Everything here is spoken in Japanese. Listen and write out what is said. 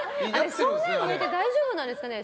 あれ正面向いて大丈夫なんですかね。